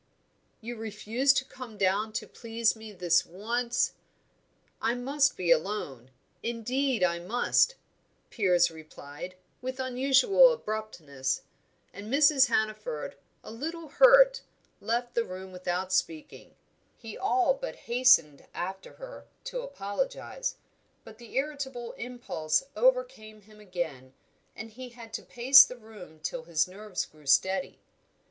"You refuse to come down to please me, this once?" "I must be alone indeed I must," Piers replied, with unusual abruptness. And Mrs. Hannaford, a little hurt, left the room without speaking. He all but hastened after her, to apologise; but the irritable impulse overcame him again, and he had to pace the room till his nerves grew steady.